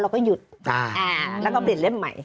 เราก็หยุดแล้วก็เปลี่ยนเล่มใหม่